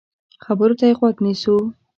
خبرو ته يې غوږ نیسو.